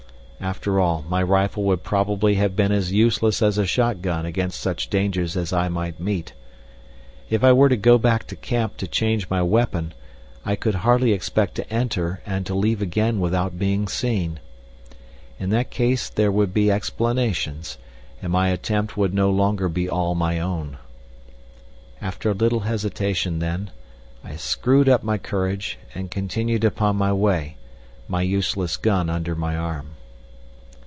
After all, my rifle would probably have been as useless as a shot gun against such dangers as I might meet. If I were to go back to camp to change my weapon I could hardly expect to enter and to leave again without being seen. In that case there would be explanations, and my attempt would no longer be all my own. After a little hesitation, then, I screwed up my courage and continued upon my way, my useless gun under my arm.